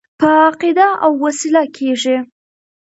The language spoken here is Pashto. په عقیده او وسیله کېږي.